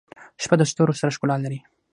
• شپه د ستورو سره ښکلا لري.